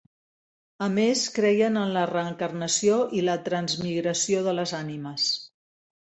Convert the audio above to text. A més, creien en la reencarnació i la transmigració de les ànimes.